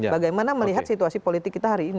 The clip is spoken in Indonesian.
bagaimana melihat situasi politik kita hari ini